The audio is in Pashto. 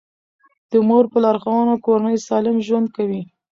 د مور په لارښوونه کورنۍ سالم ژوند کوي.